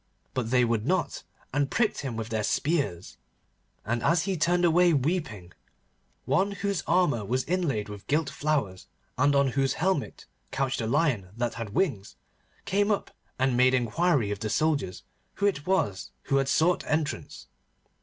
But they would not, and pricked him with their spears. And, as he turned away weeping, one whose armour was inlaid with gilt flowers, and on whose helmet couched a lion that had wings, came up and made inquiry of the soldiers who it was who had sought entrance.